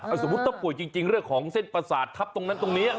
สมมุติถ้าป่วยจริงเรื่องของเส้นประสาททับตรงนั้นตรงนี้